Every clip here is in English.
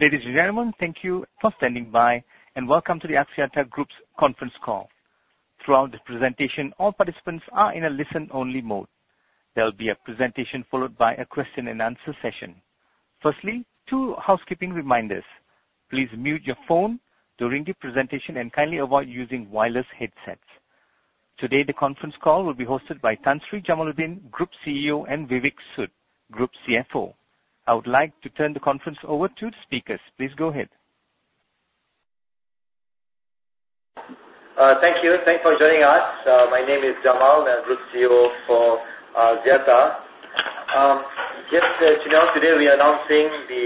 Ladies and gentlemen, thank you for standing by, and welcome to the Axiata Group's conference call. Throughout the presentation, all participants are in a listen-only mode. There will be a presentation followed by a question-and-answer session. Firstly, two housekeeping reminders. Please mute your phone during the presentation, and kindly avoid using wireless headsets. Today, the conference call will be hosted by Tan Sri Jamaludin, Group CEO, and Vivek Sood, Group CFO. I would like to turn the conference over to the speakers. Please go ahead. Thank you. Thanks for joining us. My name is Jamal, and Group CEO for Axiata. Yes, today, we are announcing the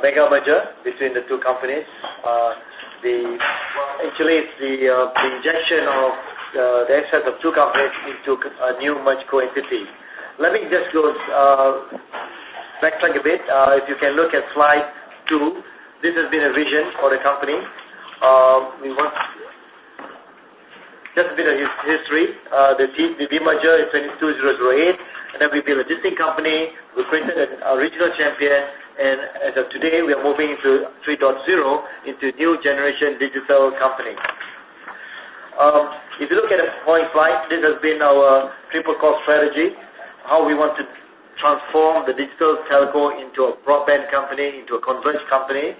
mega merger between the two companies. Well, actually, it's the injection of the assets of two companies into a new merged co-entity. Let me just go backtrack a bit. If you can look at slide two, this has been a vision for the company. That's a bit of history. The demerger in 2008, and then we built a digital company. We created a regional champion, and as of today, we are moving into Axiata 3.0, into a new generation digital company. If you look at point five, this has been our triple core strategy, how we want to transform the digital telco into a broadband company, into a converged company,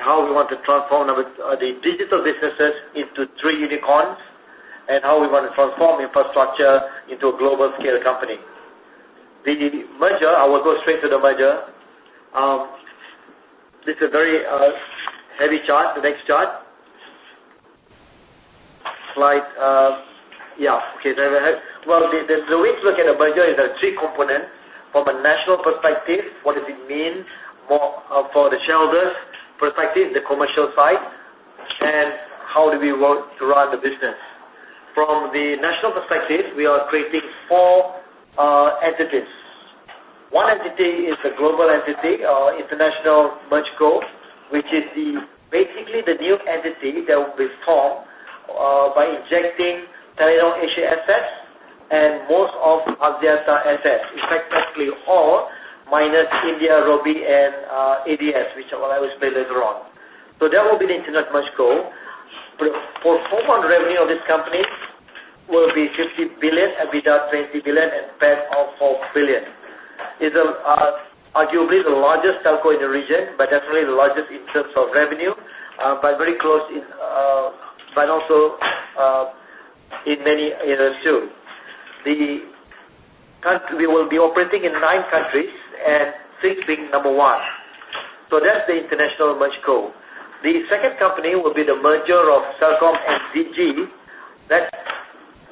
how we want to transform the digital businesses into three unicorns, and how we want to transform infrastructure into a global-scale company. The merger, I will go straight to the merger. This is a very heavy chart, the next chart. Slide. Yeah. Okay. Well, the way to look at the merger is there are three components. From a national perspective, what does it mean for the shareholders' perspective, the commercial side, and how do we run the business? From the national perspective, we are creating four entities. One entity is the global entity, International Merged Co, which is basically the new entity that will be formed by injecting Telenor Asia assets and most of Axiata assets. Effectively all, minus India, Robi, and ADS, which I will explain later on. That will be the International Merged Co. Pro forma revenue of this company will be 50 billion, EBITDA 20 billion, and CAPEX of 4 billion. It's arguably the largest telco in the region, but definitely the largest in terms of revenue, but also in many others, too. We will be operating in nine countries, and 6 being number one. That's the International Merged Co. The second company will be the merger of Celcom and Digi. That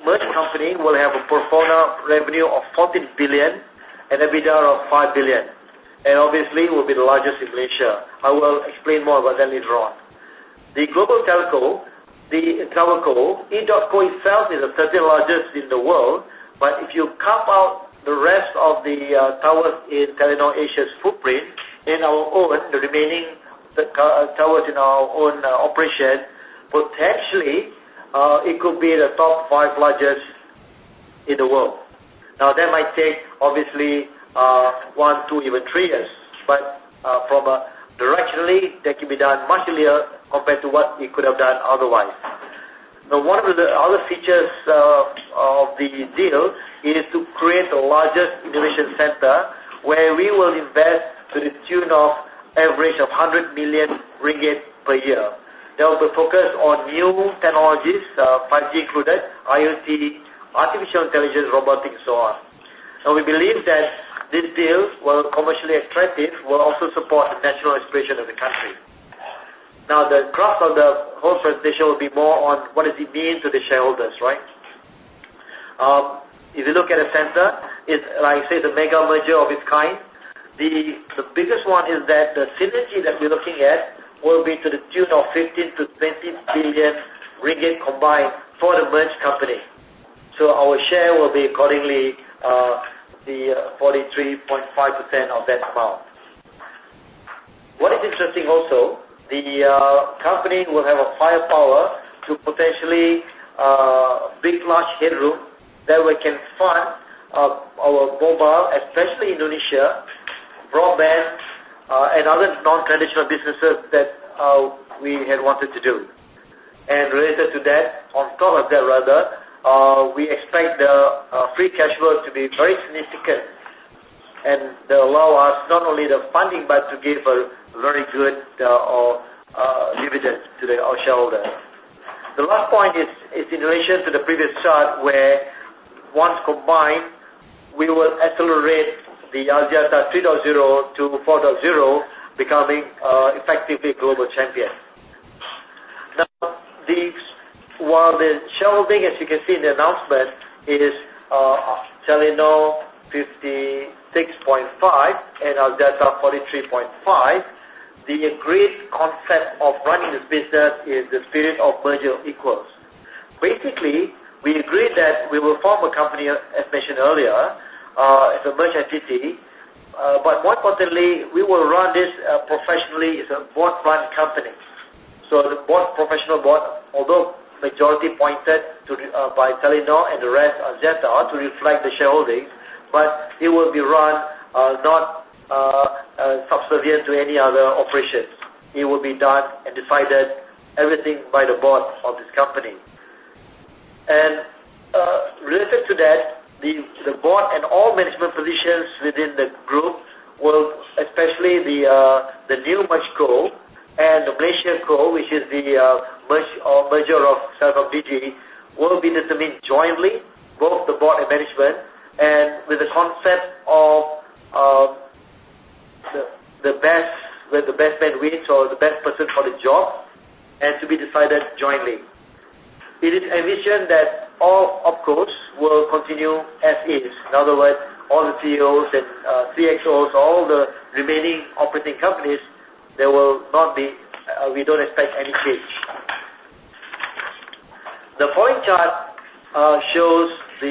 merged company will have a pro forma revenue of 14 billion and EBITDA of 5 billion, and obviously, will be the largest in Malaysia. I will explain more about that later on. The global telco, edotco itself is the 13th largest in the world. If you cap out the rest of the towers in Telenor Asia’s footprint and our own, the remaining towers in our own operation, potentially, it could be the top five largest in the world. That might take, obviously, one, two, even three years. Directionally, that can be done much earlier compared to what we could have done otherwise. One of the other features of the deal is to create the largest innovation center, where we will invest to the tune of average of 100 million ringgit per year. That will be focused on new technologies, 5G included, IoT, artificial intelligence, robotics, so on. We believe that this deal, while commercially attractive, will also support the national aspiration of the country. The graph on the whole presentation will be more on what does it mean to the shareholders, right? If you look at the center, it is like I said, the mega merger of its kind. The biggest one is that the synergy that we are looking at will be to the tune of 15 billion-20 billion ringgit combined for the merged company. Our share will be accordingly the 43.5% of that amount. What is interesting also, the company will have a firepower to potentially bid large headroom that we can fund our mobile, especially Indonesia, broadband, and other non-traditional businesses that we had wanted to do. Related to that, on top of that, rather, we expect the free cash flow to be very significant and allow us not only the funding, but to give a very good dividend to the shareholder. The last point is in relation to the previous chart, where once combined, we will accelerate the Axiata 3.0 to 4.0, becoming effectively global champion. While the shareholding, as you can see in the announcement, is Telenor 56.5 and Axiata 43.5, the agreed concept of running the business is the spirit of merger equals. Basically, we agreed that we will form a company, as mentioned earlier, as a merged entity. More importantly, we will run this professionally as a board run company. So the professional board, although majority appointed by Telenor and the rest are Axiata to reflect the shareholdings, but it will be run not subservient to any other operations. It will be done and decided everything by the board of this company. Related to that, the board and all management positions within the group will, especially the new merge co and the Malaysia co, which is the merger of Celcom Digi will be determined jointly, both the board and management, and with the concept of where the best man wins or the best person for the job, and to be decided jointly. It is envisioned that all opcos will continue as is. In other words, all the CEOs and CXOs, all the remaining operating companies, we don't expect any change. The following chart shows the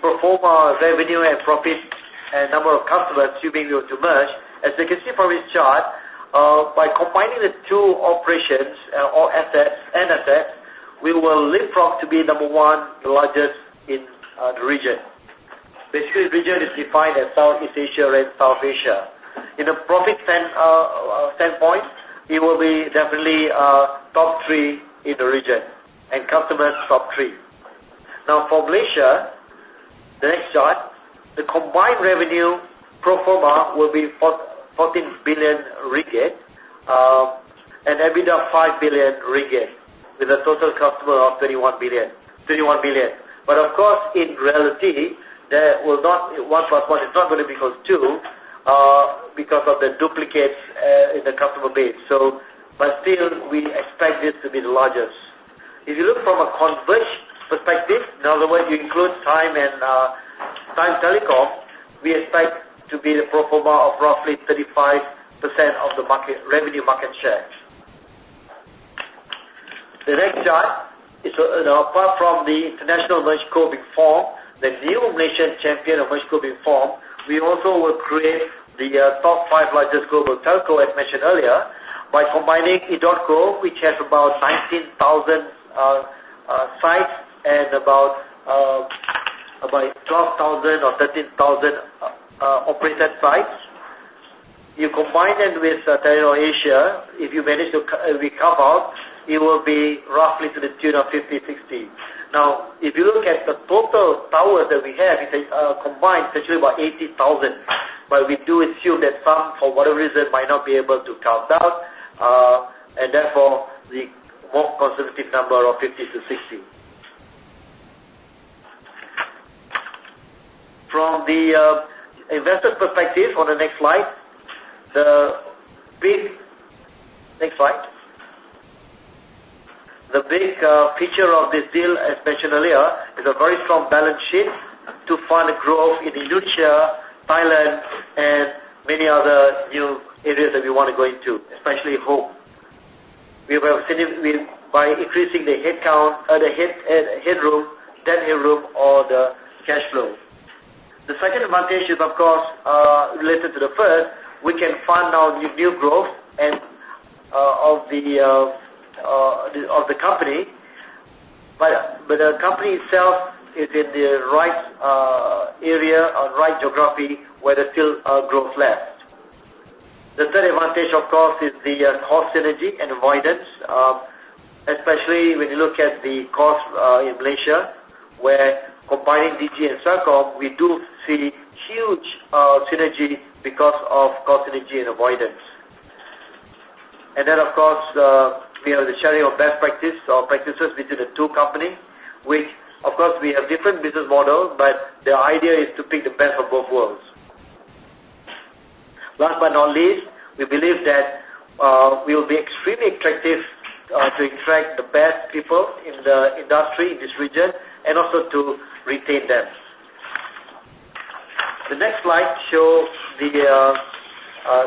pro forma revenue and profit and number of customers assuming we were to merge. As you can see from this chart, by combining the two operations or assets and assets, we will leapfrog to be number one, the largest in the region. Basically, the region is defined as Southeast Asia and South Asia. In a profit standpoint, it will be definitely top three in the region, and customers top three. For Malaysia, the next chart, the combined revenue pro forma will be 14 billion ringgit, and EBITDA 5 billion ringgit, with a total customer of 31 million. Of course, in reality, one plus one is not going to be equals two, because of the duplicates in the customer base. Still, we expect this to be the largest. If you look from a converged perspective, in other words, you include TIME dotCom, we expect to be the pro forma of roughly 35% of the revenue market shares. The next chart, apart from the international merge co being formed, the new Malaysian champion of merge co being formed, we also will create the top five largest global telco, as mentioned earlier, by combining edotco, which has about 19,000 sites and about 12,000 or 13,000 operated sites. You combine them with Telenor Asia, if you manage to recover, it will be roughly to the tune of 50/60. If you look at the total towers that we have, combined, it's actually about 18,000. We do assume that some, for whatever reason, might not be able to count out, and therefore the more conservative number of 50 to 60. From the investor perspective on the next slide. Next slide. The big feature of this deal, as mentioned earlier, is a very strong balance sheet to fund the growth in Indonesia, Thailand, and many other new areas that we want to go into, especially home. By increasing the debt headroom or the cash flow. The second advantage is, of course, related to the first. We can fund now the new growth of the company, but the company itself is in the right area or right geography where there's still growth left. The third advantage, of course, is the cost synergy and avoidance, especially when you look at the cost in Malaysia, where combining Digi and Celcom, we do see huge synergy because of cost synergy and avoidance. Of course, we have the sharing of best practice or practices between the two companies, which of course, we have different business models, but the idea is to pick the best of both worlds. Last but not least, we believe that we will be extremely attractive to attract the best people in the industry in this region and also to retain them. The next slide shows the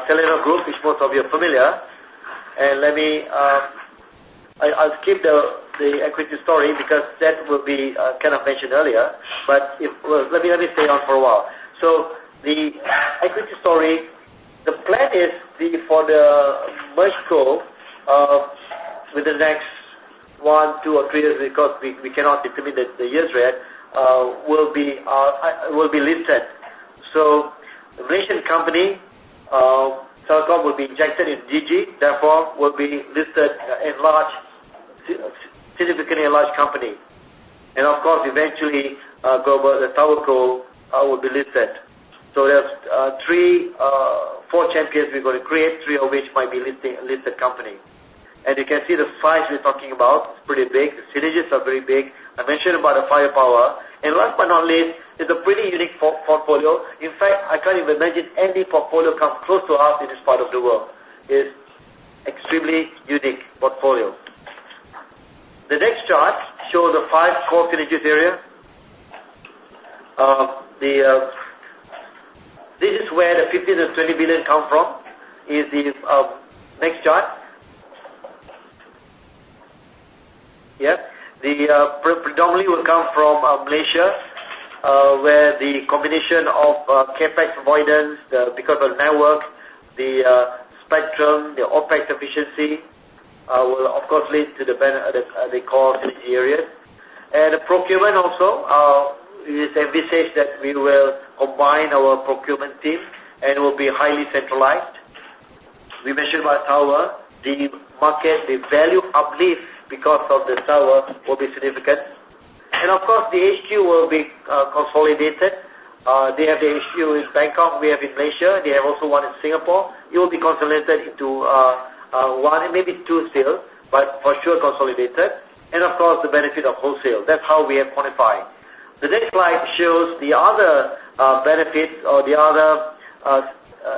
Telenor group, which most of you are familiar. I'll skip the equity story because that will be mentioned earlier, but let me stay on for a while. The equity story, the plan is for the merge co, within the next one, two, or three years, because we cannot determine the years yet, will be listed. Malaysian company, Celcom will be injected in Digi, therefore will be listed significantly a large company. Of course, eventually, the TowerCo will be listed. We have four champions we're going to create, three of which might be a listed company. You can see the size we're talking about. It's pretty big. The synergies are very big. I mentioned about the firepower. Last but not least, it's a pretty unique portfolio. In fact, I can't even imagine any portfolio comes close to us in this part of the world. It's extremely unique portfolio. The next chart shows the five core synergies area. This is where the 15 billion-20 billion come from, is this next chart. Yes. Predominantly will come from Malaysia, where the combination of CapEx avoidance because of network, the spectrum, the OpEx efficiency will of course lead to the core area. Procurement also, it is envisaged that we will combine our procurement team and will be highly centralized. We mentioned about TowerCo. The market, the value uplift because of the TowerCo will be significant. Of course, the HQ will be consolidated. They have the HQ in Bangkok, we have in Malaysia. They have also one in Singapore. It will be consolidated into one, maybe two still, but for sure consolidated. Of course, the benefit of wholesale. That's how we have quantified. The next slide shows the other benefits or the other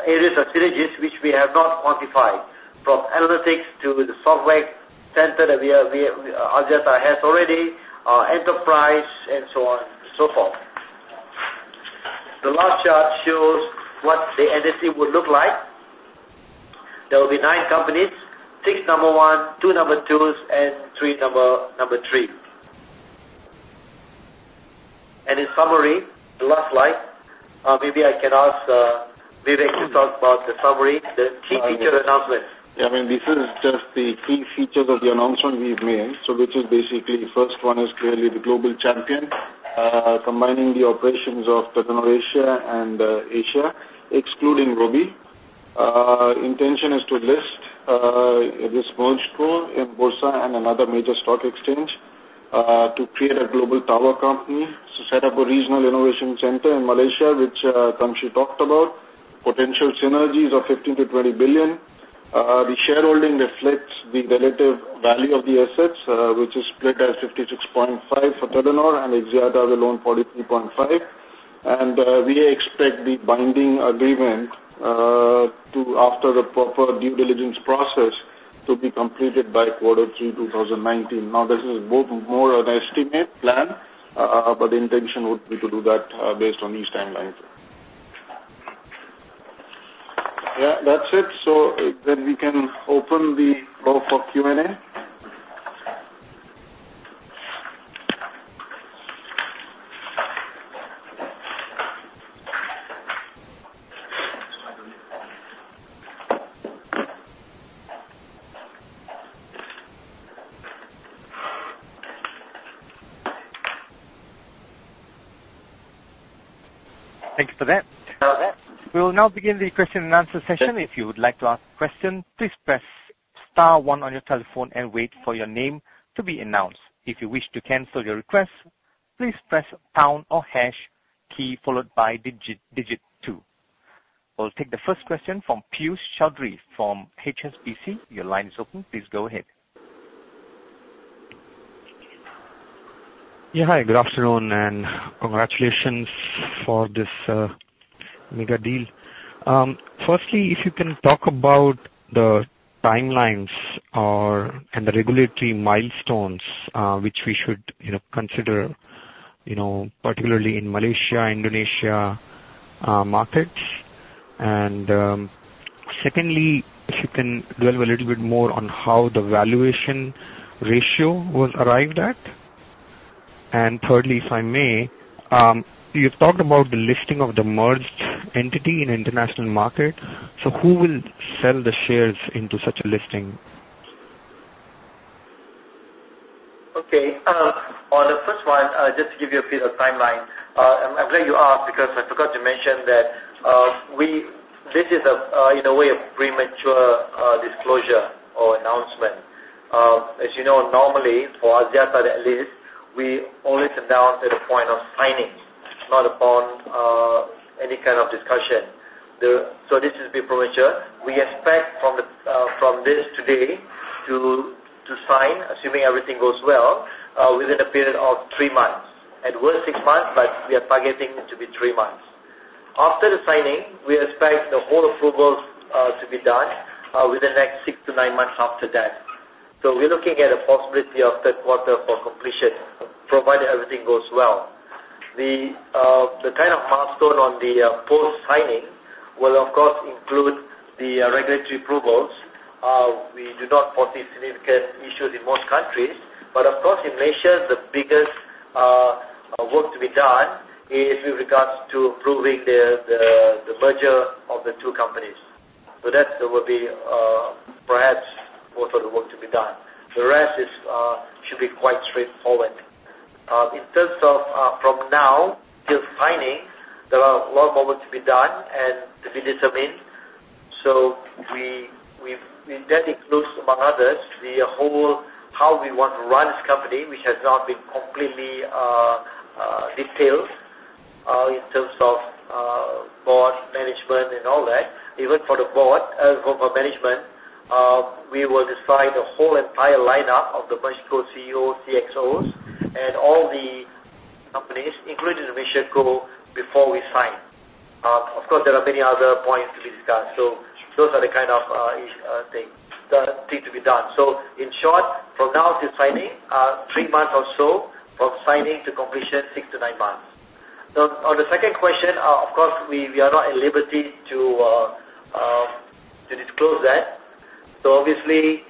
areas or synergies which we have not quantified, from analytics to the software center that Axiata has already, enterprise and so on and so forth. The last chart shows what the entity will look like. There will be nine companies, six number 1, two number 2s, and three number 3. In summary, the last slide, maybe I can ask Vivek to talk about the summary, the key feature announcement. This is just the key features of the announcement we've made. Which is basically the first one is clearly the global champion combining the operations of Telenor Asia and Axiata, excluding Robi. Intention is to list this merge co in Bursa and another major stock exchange, to create a global TowerCo, to set up a regional innovation center in Malaysia, which Tan Sri talked about. Potential synergies of 15 billion-20 billion. The shareholding reflects the relative value of the assets, which is split as 56.5% for Telenor and Axiata will own 43.5%. We expect the binding agreement, after the proper due diligence process, to be completed by quarter three 2019. This is both more of an estimated plan, but the intention would be to do that based on these timelines. That's it. We can open the go for Q&A. Thank you for that. We will now begin the question and answer session. If you would like to ask a question, please press star 1 on your telephone and wait for your name to be announced. If you wish to cancel your request, please press pound or hash key, followed by digit 2. We'll take the first question from Piyush Choudhary from HSBC. Your line is open. Please go ahead. Hi, good afternoon, and congratulations for this mega deal. Firstly, if you can talk about the timelines or/and the regulatory milestones which we should consider particularly in Malaysia, Indonesia markets. Secondly, if you can delve a little bit more on how the valuation ratio was arrived at. Thirdly, if I may, you've talked about the listing of the merged entity in international market. Who will sell the shares into such a listing? On the first one, just to give you a feel of timeline. I'm glad you asked because I forgot to mention that this is, in a way, a premature disclosure or announcement. As you know, normally for Axiata at least, we only announce at the point of signing, not upon any kind of discussion. This is a bit premature. We expect from this today to sign, assuming everything goes well, within a period of three months. It was six months, but we are targeting it to be three months. After the signing, we expect the whole approvals to be done within the next six to nine months after that. We're looking at a possibility of third quarter for completion, provided everything goes well. The kind of milestone on the post-signing will of course include the regulatory approvals. We do not foresee significant issues in most countries. But of course, in Malaysia, the biggest work to be done is with regards to approving the merger of the two companies. That will be perhaps most of the work to be done. The rest should be quite straightforward. In terms of from now till signing, there are a lot more work to be done and to be determined. We've then includes, among others, the whole how we want to run this company, which has not been completely detailed in terms of board management and all that. Even for the board, for management, we will decide the whole entire lineup of the merged co CEO, CXOs and all the companies, including the Malaysia co, before we sign. Of course, there are many other points to be discussed. Those are the kind of things to be done. In short, from now till signing, three months or so. From signing to completion, six to nine months. On the second question, of course, we are not at liberty to that. Obviously,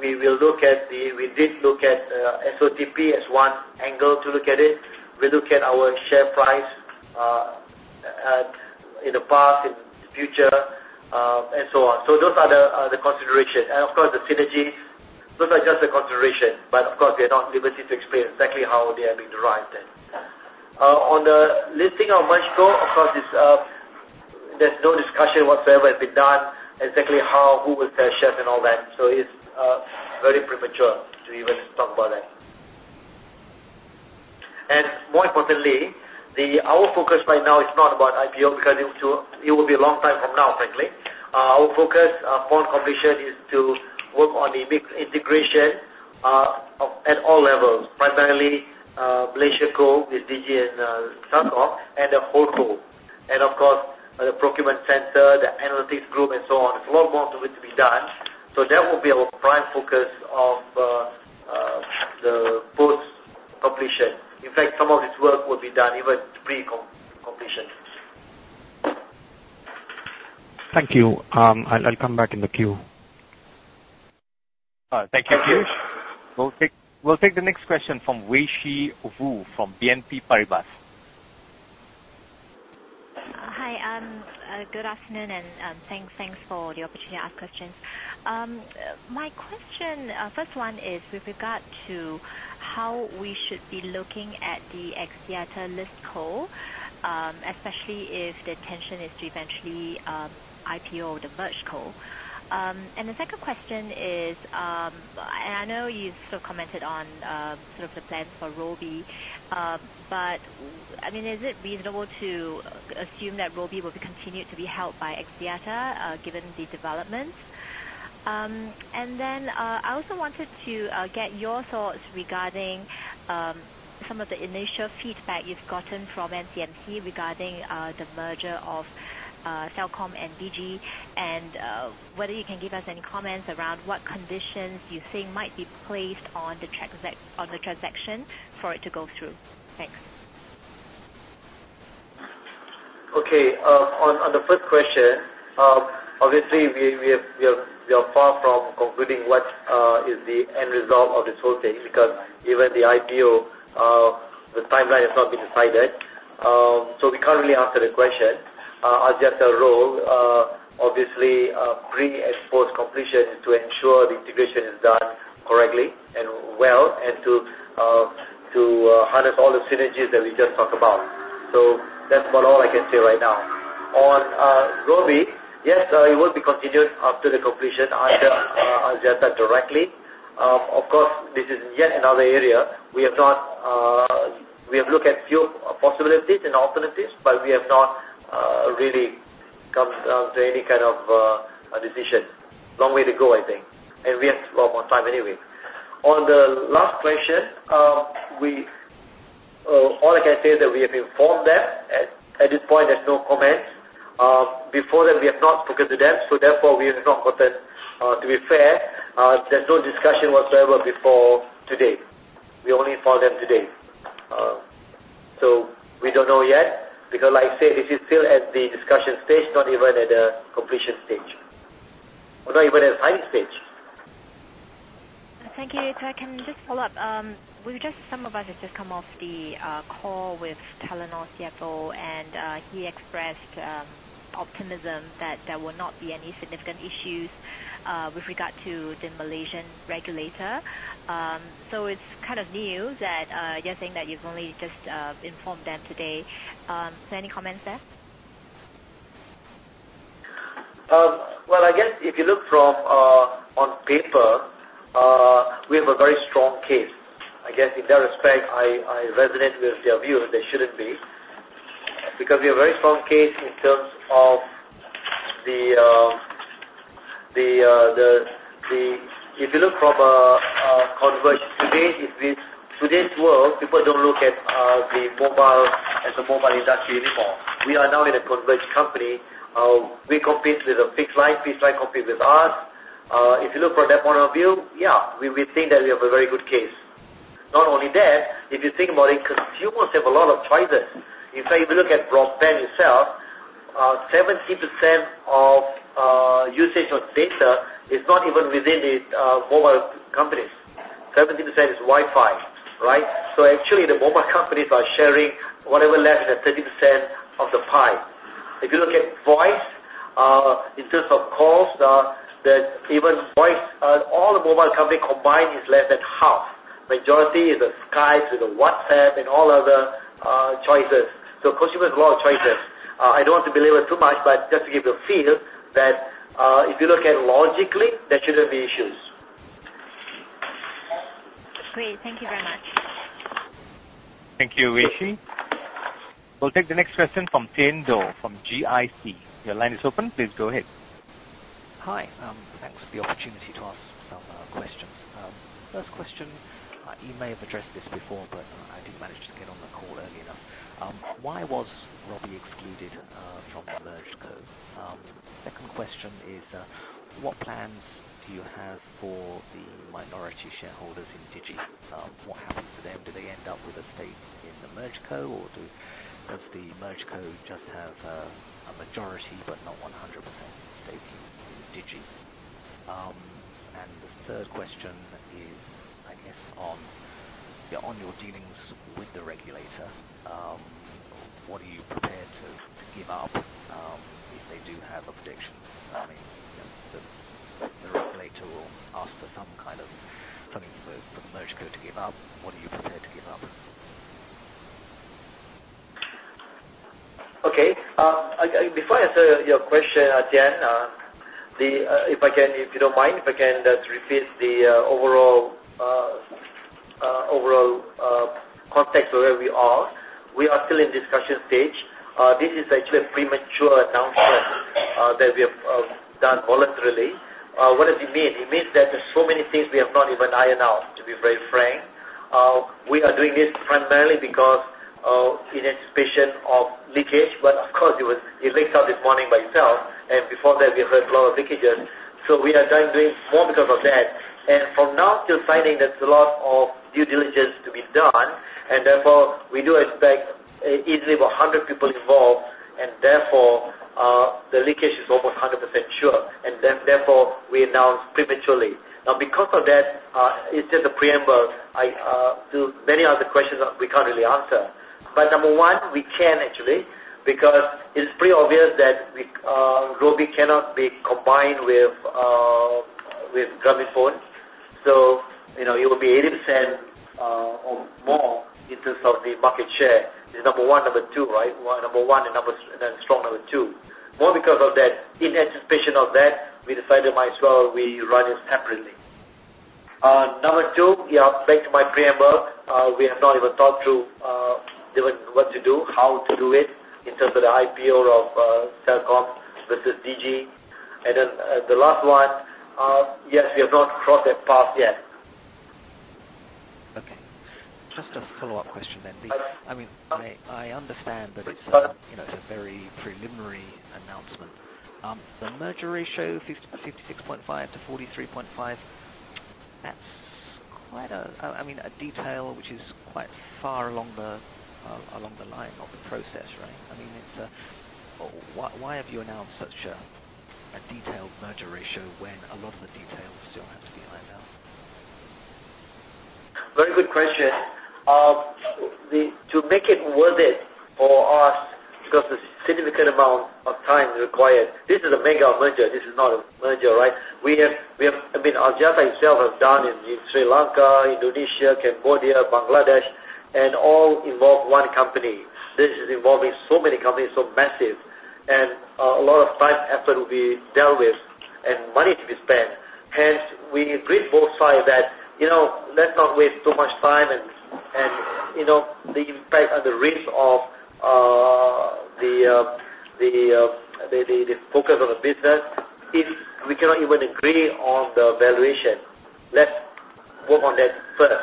we did look at SOTP as one angle to look at it. We look at our share price in the past, in the future, and so on. Those are the considerations and, of course, the synergies. Those are just the considerations but of course, we are not at liberty to explain exactly how they are being derived at. On the listing of merged co, of course, there's no discussion whatsoever has been done, exactly how, who will sell shares and all that. It's very premature to even talk about that. More importantly, our focus right now is not about IPO because it will be a long time from now, frankly. Our focus upon completion is to work on the integration at all levels, primarily Malaysia co with Digi and Celcom, and the holdco. Of course, the procurement center, the analytics group, and so on. There's a lot more to it to be done. That will be our prime focus of the post-completion. In fact, some of this work will be done even pre-completion. Thank you. I'll come back in the queue. Thank you, Piyush. We'll take the next question from Wei Shi Wu from BNP Paribas. Hi. Good afternoon, and thanks for the opportunity to ask questions. My question, first one is with regard to how we should be looking at the Axiata list co, especially if the intention is to eventually IPO the merge co. The second question is, I know you still commented on sort of the plans for Robi, but is it reasonable to assume that Robi will be continued to be held by Axiata given the developments? Then, I also wanted to get your thoughts regarding some of the initial feedback you've gotten from MCMC regarding the merger of Celcom and Digi, and whether you can give us any comments around what conditions you think might be placed on the transaction for it to go through. Thanks. Okay. On the first question, obviously we are far from concluding what is the end result of this whole thing, because even the IPO, the timeline has not been decided. We can't really answer the question. Axiata role, obviously, pre and post-completion is to ensure the integration is done correctly and well, and to harness all the synergies that we just talked about. That's about all I can say right now. On Robi, yes, it will be continued after the completion under- Okay Axiata directly. Of course, this is yet another area. We have looked at a few possibilities and alternatives, but we have not really come down to any kind of a decision. Long way to go, I think, and we have a lot more time anyway. On the last question, all I can say is that we have informed them. At this point, there's no comment. Before that, we have not spoken to them, so therefore we have not gotten, to be fair, there's no discussion whatsoever before today. We only informed them today. We don't know yet, because like I said, this is still at the discussion stage, not even at the completion stage. Not even at signing stage. Thank you, Jamal. Can I just follow up? Some of us have just come off the call with Telenor CFO, and he expressed optimism that there will not be any significant issues with regard to the Malaysian regulator. It's kind of new that you're saying that you've only just informed them today. Any comments there? Well, I guess if you look from on paper, we have a very strong case. I guess in that respect, I resonate with their view, there shouldn't be, because we have a very strong case. If you look from a converged today, in today's world, people don't look at the mobile as the mobile industry anymore. We are now in a converged company. We compete with a fixed line, fixed line compete with us. If you look from that point of view, yeah, we think that we have a very good case. Not only that, if you think about it, consumers have a lot of choices. In fact, if you look at broadband itself, 70% of usage of data is not even within the mobile companies. 70% is Wi-Fi, right? Actually, the mobile companies are sharing whatever is left, the 30% of the pie. If you look at voice, in terms of calls, even voice, all the mobile company combined is less than half. Majority is Skype with WhatsApp and all other choices. Consumers have a lot of choices. Just to give you a feel that if you look at logically, there shouldn't be issues. Great. Thank you very much. Thank you, Wei Shi. We'll take the next question from Thien Do from GIC. Your line is open. Please go ahead. Hi. Thanks for the opportunity to ask some questions. First question, you may have addressed this before, I didn't manage to get on the call early enough. Why was Robi excluded from the merge co? Second question is, what plans do you have for the minority shareholders in Digi? What happens to them? Do they end up with a stake in the MergeCo, does the MergeCo just have a majority, but not 100% stakes in Digi? The third question is, I guess, on your dealings with the regulator. What are you prepared to give up if they do have objections? The regulator will ask for something for the MergeCo to give up. What are you prepared to give up? Okay. Before I answer your question, Thien, if you don't mind, if I can just repeat the overall context of where we are. We are still in discussion stage. This is actually a premature announcement that we have done voluntarily. What does it mean? It means that there are so many things we have not even ironed out, to be very frank. We are doing this primarily because in anticipation of leakage, but of course, it leaks out this morning by itself, and before that we have heard a lot of leakages. We are doing more because of that. From now, still finding there's a lot of due diligence to be done, and therefore, we do expect easily over 100 people involved, and therefore, the leakage is almost 100% sure. Therefore, we announce prematurely. Because of that, it's just a preamble to many other questions we can't really answer. Number 1, we can actually, because it's pretty obvious that Robi cannot be combined with Grameenphone. It will be 80% or more in terms of the market share. It's number 1, number 2, right? Number 1 and then strong number 2. More because of that, in anticipation of that, we decided might as well we run it separately. Number 2, yeah, thanks to my preamble, we have not even talked through what to do, how to do it in terms of the IPO of Celcom versus Digi. The last one, yes, we have not crossed that path yet. Okay. Just a follow-up question then. I understand that it's a very preliminary announcement. The merger ratio, 56.5/43.5. That's a detail which is quite far along the line of the process, right? Why have you announced such a detailed merger ratio when a lot of the details still have to be ironed out? Very good question. To make it worth it for us, because the significant amount of time required. This is a mega merger. This is not a merger, right? Axiata itself has done in Sri Lanka, Indonesia, Cambodia, Bangladesh, and all involve one company. This is involving so many companies, so massive, and a lot of time and effort will be dealt with and money to be spent. Hence, we agreed both sides that, let's not waste too much time and the impact and the risk of the focus of the business if we cannot even agree on the valuation. Let's work on that first.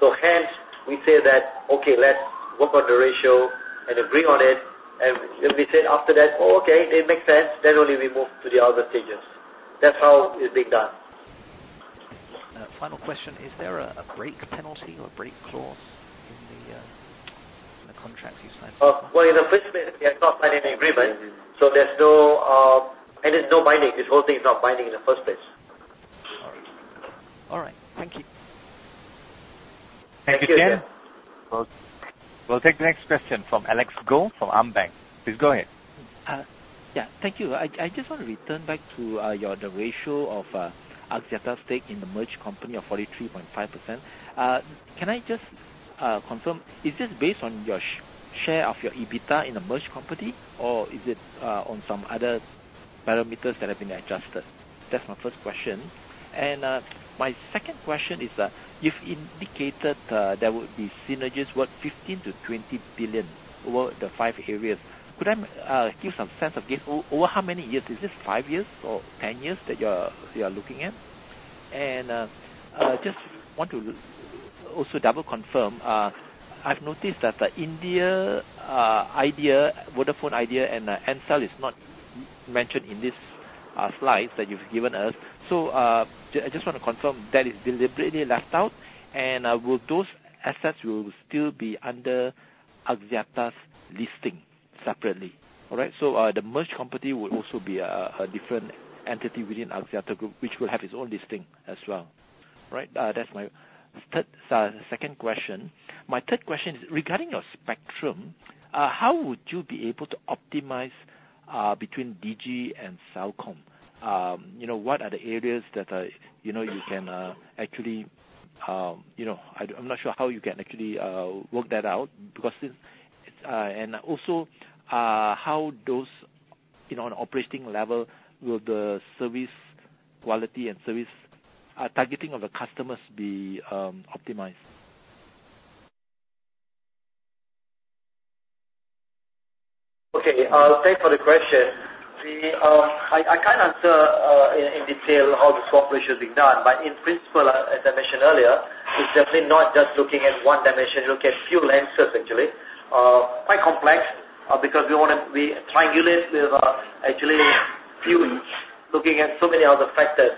Hence, we say that, okay, let's work on the ratio and agree on it, and if we said after that, okay, that makes sense, only we move to the other stages. That's how it's being done. Final question, is there a break penalty or break clause in the contracts you signed? Well, in the first place, we have not signed any agreement, and it's not binding. This whole thing is not binding in the first place. All right. Thank you. Thank you, Thien. We'll take the next question from Alex Goh from AmBank. Please go ahead. Yeah, thank you. I just want to return back to the ratio of Axiata's stake in the merged company of 43.5%. Can I just confirm, is this based on your share of your EBITDA in the merged company, or is it on some other parameters that have been adjusted? That's my first question. My second question is, you've indicated there would be synergies worth 15 billion-20 billion over the five areas. Could I give some sense of this? Over how many years? Is this five years or 10 years that you are looking at? Just want to also double confirm, I've noticed that the India Vodafone Idea and Aircel is not mentioned in these slides that you've given us. I just want to confirm that is deliberately left out, and will those assets still be under Axiata's listing separately? All right, the merged company will also be a different entity within Axiata Group, which will have its own listing as well. That's my second question. My third question is regarding your spectrum. How would you be able to optimize between DG and Celcom? What are the areas that you can actually I'm not sure how you can actually work that out. Also, how those, on an operating level, will the service quality and service targeting of the customers be optimized? Okay. Thanks for the question. I can't answer in detail how the swap ratio is being done. In principle, as I mentioned earlier. It's definitely not just looking at one dimension, looking at few lenses actually. Quite complex because we triangulate with actually looking at so many other factors.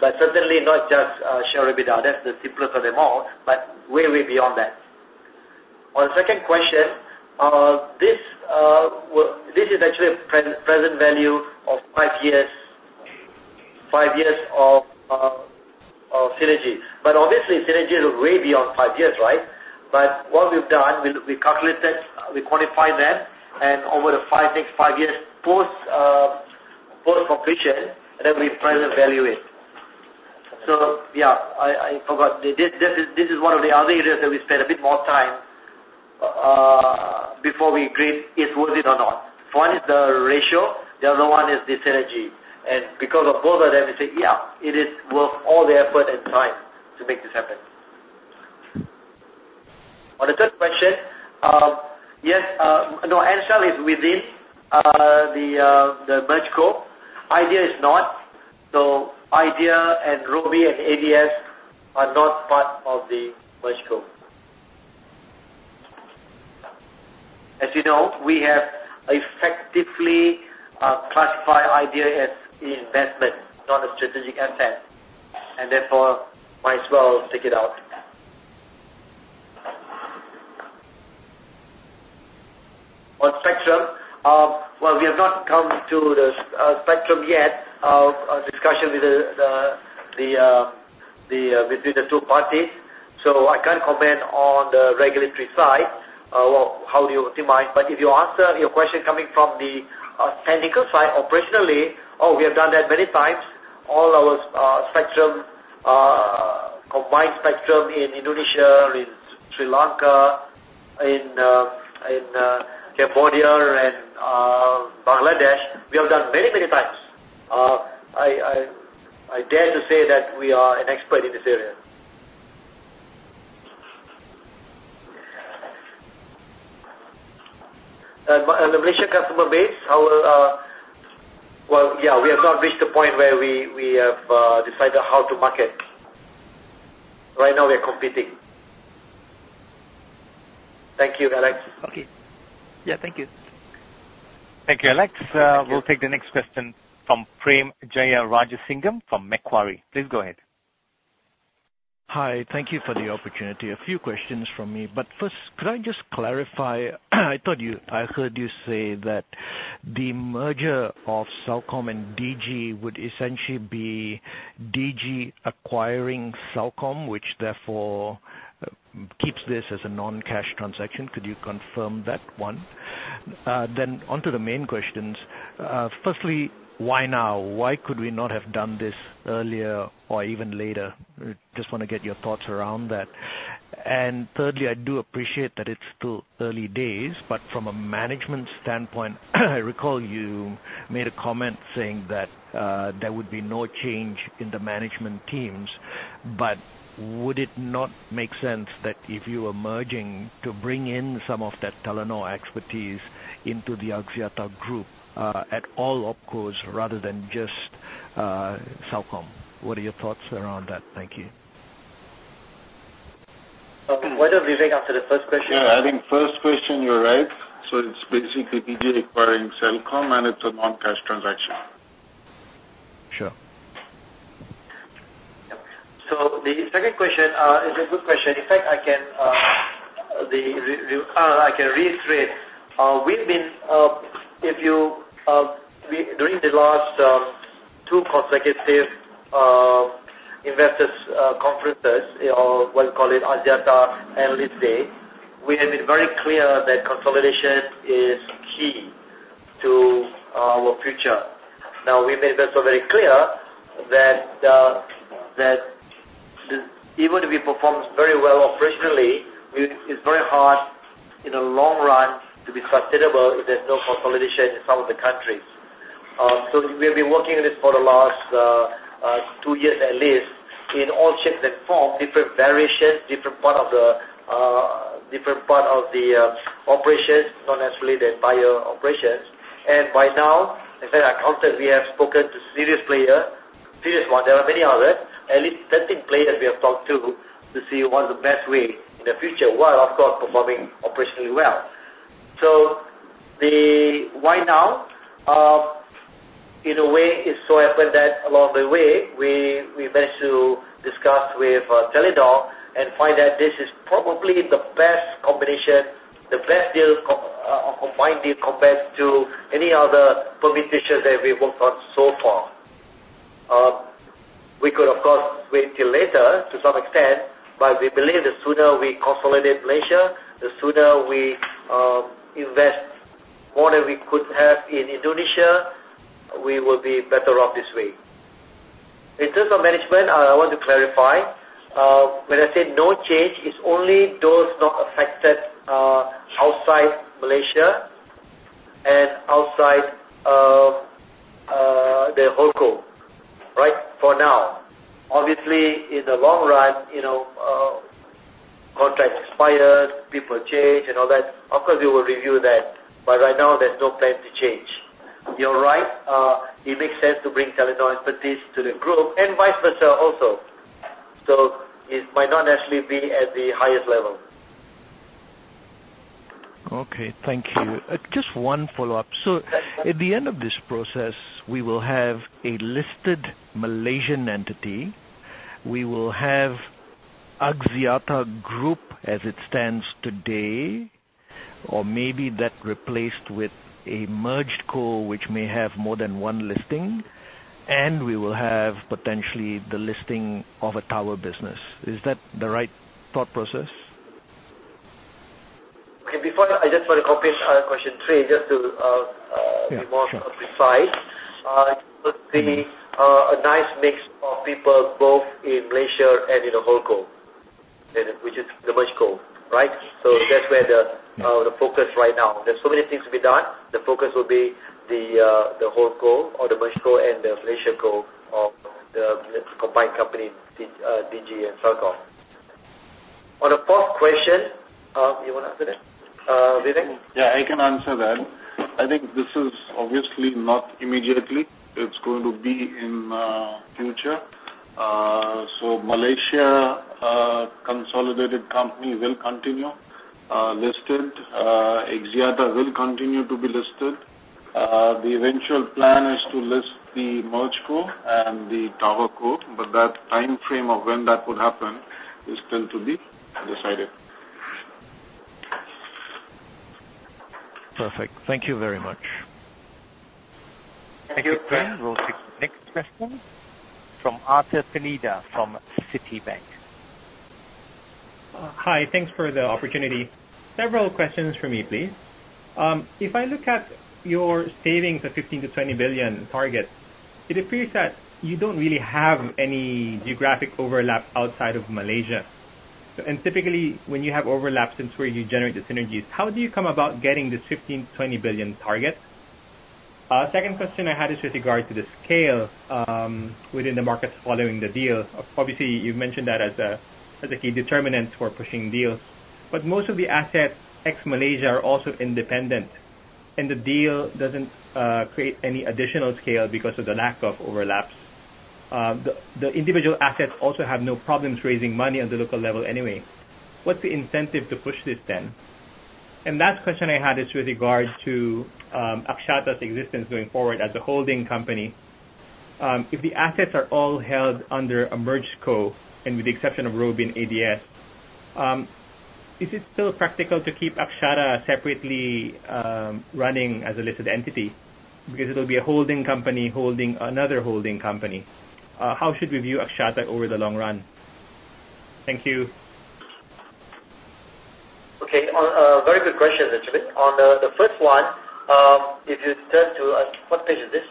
Certainly not just share EBITDA. That's the simplest of them all, but way beyond that. On the second question, this is actually a present value of five years of synergy. Obviously, synergy is way beyond five years, right? What we've done, we calculated, we quantified that, and over the next five years post-completion, then we present value it. I forgot. This is one of the other areas that we spent a bit more time before we agreed it's worth it or not. One is the ratio. The other one is the synergy. Because of both of them, we say, yeah, it is worth all the effort and time to make this happen. On the third question, yes. Ncell is within the merge scope. Idea is not. Idea and Robi and ADS are not part of the merge scope. As you know, we have effectively classified Idea as investment, not a strategic asset, and therefore might as well take it out. On spectrum, we have not come to the spectrum yet of discussion between the two parties. I can't comment on the regulatory side, how do you optimize. If you answer your question coming from the technical side, operationally, we have done that many times. All our combined spectrum in Indonesia, in Sri Lanka, in Cambodia, and Bangladesh, we have done many, many times. I dare to say that we are an expert in this area. The Malaysia customer base, we have not reached the point where we have decided how to market. Right now we are competing. Thank you, Alex. Okay. Thank you. Thank you, Alex. We'll take the next question from Prem Jearajasingam from Macquarie. Please go ahead. Hi. Thank you for the opportunity. A few questions from me. First, could I just clarify, I thought I heard you say that the merger of Celcom and Digi would essentially be Digi acquiring Celcom, which therefore keeps this as a non-cash transaction. Could you confirm that? One. On to the main questions. Firstly, why now? Why could we not have done this earlier or even later? Just want to get your thoughts around that. Thirdly, I do appreciate that it's still early days, but from a management standpoint, I recall you made a comment saying that there would be no change in the management teams, but would it not make sense that if you are merging to bring in some of that Telenor expertise into the Axiata group at all opco rather than just Celcom? What are your thoughts around that? Thank you. Why don't we take after the first question? Yeah, I think first question, you're right. It's basically Digi acquiring Celcom, and it's a non-cash transaction. Sure. The second question is a good question. In fact, I can reiterate. During the last two consecutive investors conferences, or we'll call it Axiata Analyst Day, we have been very clear that consolidation is key to our future. Now, we made that so very clear that even if we perform very well operationally, it's very hard in the long run to be sustainable if there's no consolidation in some of the countries. We've been working on this for the last two years, at least, in all shapes and form, different variations, different part of the operations, not necessarily the buyer operations. By now, as an accountant, we have spoken to serious player, serious one. There are many others. At least 10 team players we have talked to see what's the best way in the future, while of course, performing operationally well. The why now, in a way it so happened that along the way, we managed to discuss with Telenor and find that this is probably the best combination, the best deal or combined deal compared to any other proposition that we've worked on so far. We could, of course, wait till later to some extent, but we believe the sooner we consolidate Malaysia, the sooner we invest more than we could have in Indonesia, we will be better off this way. In terms of management, I want to clarify. When I say no change, it's only those not affected outside Malaysia and outside the whole group. Right? For now. Obviously, in the long run, contracts expire, people change and all that. Of course, we will review that, but right now there's no plan to change. You're right. It makes sense to bring Telenor expertise to the group and vice versa also. It might not actually be at the highest level. Okay, thank you. Just one follow-up. At the end of this process, we will have a listed Malaysian entity. We will have Axiata Group as it stands today, or maybe that replaced with a merge co, which may have more than one listing, and we will have potentially the listing of a tower business. Is that the right thought process? Okay. Before that, I just want to complete question three, just to be more precise. Yeah, sure. It will be a nice mix of people both in Malaysia and in the holdco, which is the merge co, right? That's where the focus right now. There's so many things to be done. The focus will be the holdco or the merge co and the Malaysia co of the combined company, Digi and Celcom. On the fourth question, you want to answer that, Vivek? I can answer that. I think this is obviously not immediately. It's going to be in the future. Malaysia consolidated company will continue, listed. Axiata will continue to be listed. The eventual plan is to list the merge co and the TowerCo, but that timeframe of when that would happen is still to be decided. Perfect. Thank you very much. Thank you. We'll take the next question from Arthur Pineda from Citibank. Hi. Thanks for the opportunity. Several questions from me, please. If I look at your savings of 15 billion-20 billion target, it appears that you don't really have any geographic overlap outside of Malaysia. Typically, when you have overlaps, that's where you generate the synergies. How do you come about getting this 15 billion-20 billion target? Second question I had is with regard to the scale within the markets following the deal. Obviously, you've mentioned that as a key determinant for pushing deals. Most of the assets ex-Malaysia are also independent, and the deal doesn't create any additional scale because of the lack of overlaps. The individual assets also have no problems raising money on the local level anyway. What's the incentive to push this then? Last question I had is with regards to Axiata's existence going forward as a holding company. If the assets are all held under a merge co and with the exception of Robi and ADS, is it still practical to keep Axiata separately running as a listed entity? It'll be a holding company holding another holding company. How should we view Axiata over the long run? Thank you. Okay. Very good questions, actually. On the first one, if you turn to What page is this?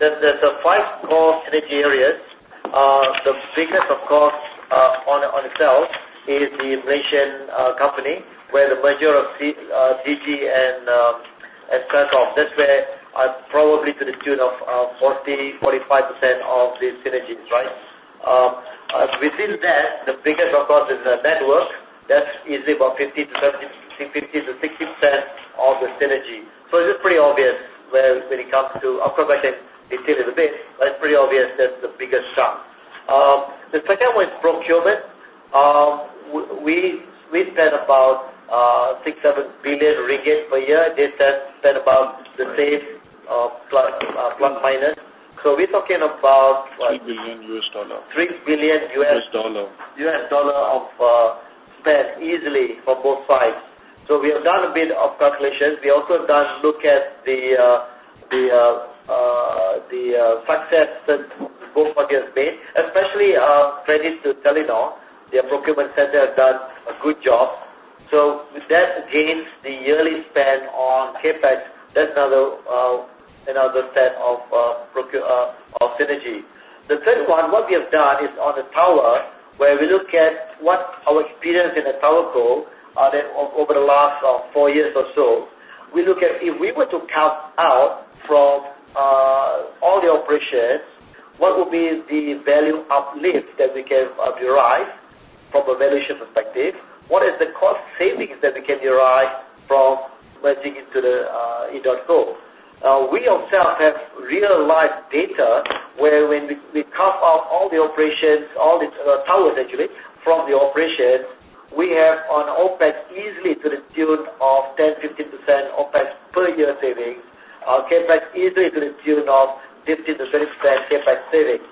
There's the five core synergy areas. The biggest, of course, on itself is the Malaysia co, where the merger of Digi and Celcom. That's where probably to the tune of 40%-45% of the synergies, right? Within that, the biggest, of course, is the network. That's easily about 50%-60% of the synergy. It is pretty obvious. I'll come back and detail it a bit, but it's pretty obvious that's the biggest chunk. The second one is procurement. We spend about 6 billion-7 billion ringgit per year. They spend about the same plus or minus. We're talking about what? $3 billion. 3 billion. U.S. dollar. U.S. dollar of spend easily for both sides. We have done a bit of calculations. We also have looked at the success that both parties have made, especially credits to Telenor. Their procurement center has done a good job. With that against the yearly spend on CapEx, that's another set of synergy. The third one, what we have done is on the TowerCo, where we look at what our experience in the TowerCo over the last four years or so. We look at if we were to carve out from all the operations, what would be the value uplift that we can derive from a valuation perspective? What is the cost savings that we can derive from merging into the edotco? We ourselves have real-life data where when we carve out all the operations, all the towers actually, from the operations, we have on OpEx easily to the tune of 10%-15% OpEx per year savings. Our CapEx easily to the tune of 15%-20% CapEx savings.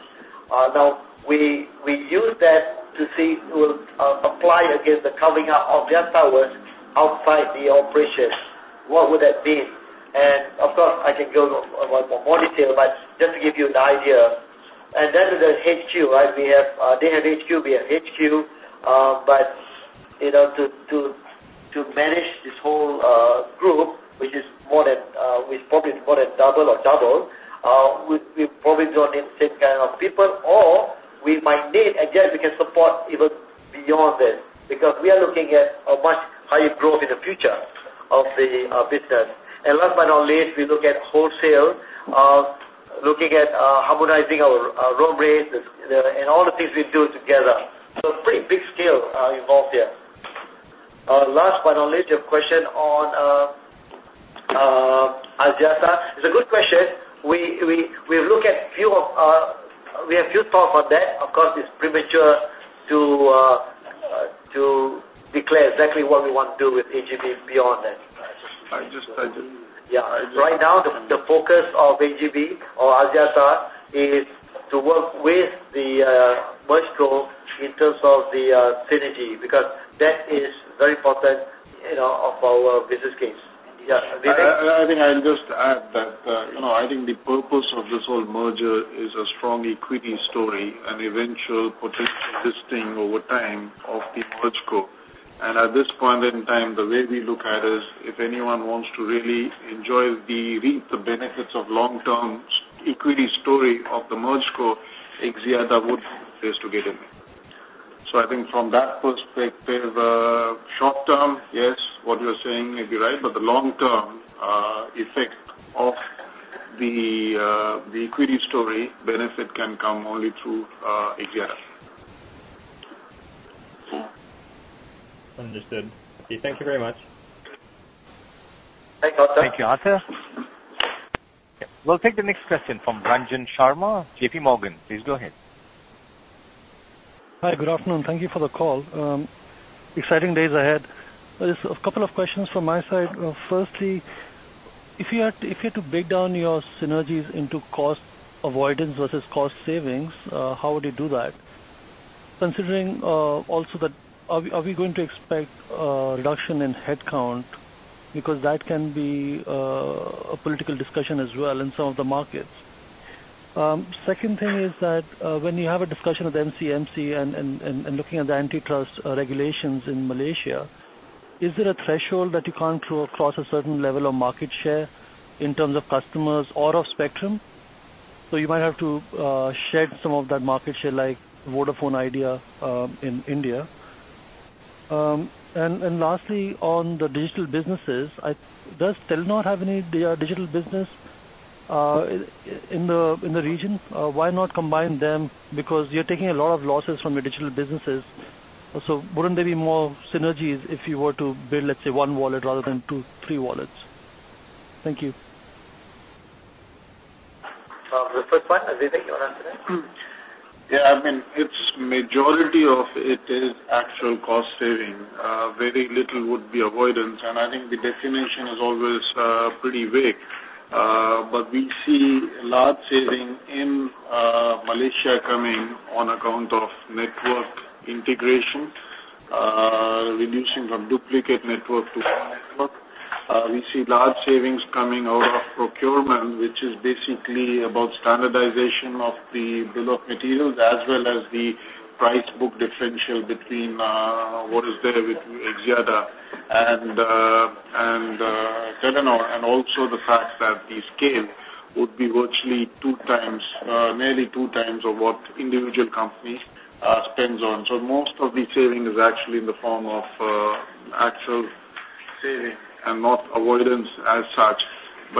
We use that to see, to apply against the carving out of their towers outside the operations. What would that mean? Of course, I can go into a lot more detail, but just to give you an idea. Then to the HQ, right? They have HQ, we have HQ. To manage this whole group, which is probably more than double or double, we probably don't need the same kind of people, or we might need, again, we can support even beyond that because we are looking at a much higher growth in the future of the business. Last but not least, we look at wholesale, looking at harmonizing our roam rates and all the things we do together. Pretty big scale involved here. Last but not least, your question on Axiata. It's a good question. We have thought about that. Of course, it's premature to declare exactly what we want to do with AGB beyond that. I just- Yeah. Right now, the focus of AGB or Axiata is to work with the merged group in terms of the synergy, because that is very important of our business case. Yeah, Vivek? I'll just add that I think the purpose of this whole merger is a strong equity story and eventual potential listing over time of the merged group. At this point in time, the way we look at is if anyone wants to really enjoy the reap the benefits of long-term equity story of the merged group, Axiata would to get in. I think from that perspective, short term, yes, what you're saying may be right, but the long-term effect of the equity story benefit can come only through Axiata. Understood. Okay, thank you very much. Thanks, Arthur. Thank you, Arthur. We'll take the next question from Ranjan Sharma, JP Morgan. Please go ahead. Hi. Good afternoon. Thank you for the call. Exciting days ahead. There's a couple of questions from my side. Firstly, if you had to break down your synergies into cost avoidance versus cost savings, how would you do that? Considering also that, are we going to expect a reduction in headcount? Because that can be a political discussion as well in some of the markets. Second thing is that when you have a discussion with MCMC and looking at the antitrust regulations in Malaysia, is there a threshold that you can't go across a certain level of market share in terms of customers or of spectrum? You might have to shed some of that market share, like Vodafone Idea in India. Lastly, on the digital businesses, does Telenor have any digital business in the region? Why not combine them? Because you're taking a lot of losses from your digital businesses. Wouldn't there be more synergies if you were to build, let's say, one wallet rather than two, three wallets? Thank you. The first one, Vivek, you want to answer that? Majority of it is actual cost saving. Very little would be avoidance, and I think the definition is always pretty vague. We see a large saving in Malaysia coming on account of network integration, reducing from duplicate network to one network. We see large savings coming out of procurement, which is basically about standardization of the bill of materials, as well as the price book differential between what is there with Axiata and Telenor, and also the fact that the scale would be virtually nearly two times of what individual company spends on. Most of the saving is actually in the form of actual saving and not avoidance as such.